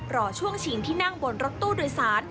รอช่วงชิงที่นั่งบนรถตู้โดยสาร